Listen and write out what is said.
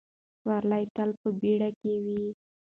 سوارلۍ تل په بیړه کې وي.